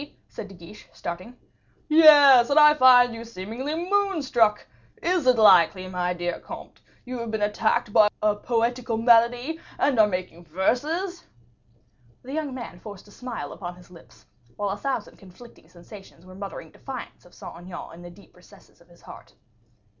said De Guiche, starting. "Yes; and I find you seemingly moon struck. Is it likely, my dear comte, you have been attacked by a poetical malady, and are making verses?" The young man forced a smile upon his lips, while a thousand conflicting sensations were muttering defiance of Saint Aignan in the deep recesses of his heart.